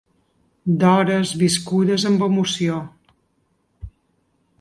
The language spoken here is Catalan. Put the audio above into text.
D’hores viscudes amb emoció.